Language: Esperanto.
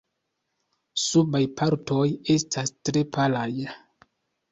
Subaj partoj estas tre palaj.